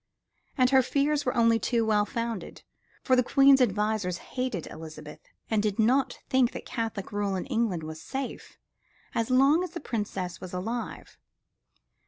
And her fears were only too well founded, for the Queen's advisors hated Elizabeth and did not think that Catholic rule in England was safe as long as the Princess was alive.